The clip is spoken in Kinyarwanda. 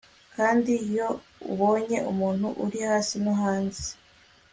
kandi iyo ubonye umuntu uri hasi no hanze